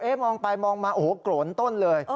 เอ๊หมองไปมองมาโหโกรณต้นเลย